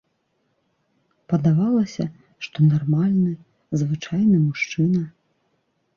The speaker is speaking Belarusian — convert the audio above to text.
Падавалася, што нармальны звычайны мужчына.